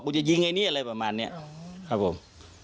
จะยิงไอ้นี่อะไรประมาณนี้ครับผม